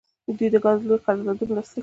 دوی د ګازو لوی قراردادونه لاسلیک کړل.